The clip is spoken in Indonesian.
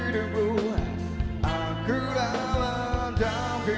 tuhan yang terhampa